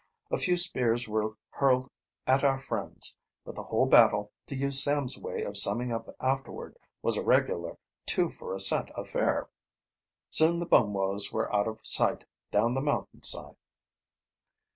A few spears were hurled at our friends, but the whole battle, to use Sam's way of summing up afterward, was a regular "two for a cent affair." Soon the Bumwos were out of sight down the mountain side.